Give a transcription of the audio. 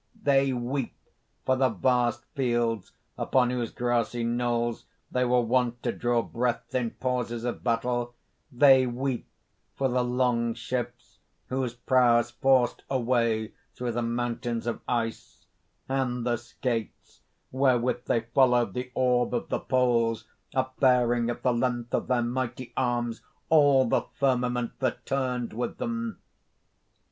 "They weep for the vast fields upon whose grassy knolls they were wont to draw breath in pauses of battle; they weep for the long ships whose prows forced a way through the mountains of ice; and the skates wherewith they followed the orb of the poles, upbearing at the length of their mighty arms all the firmament that turned with them."